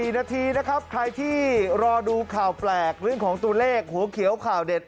๔นาทีนะครับใครที่รอดูข่าวแปลกเรื่องของตัวเลขหัวเขียวข่าวเด็ด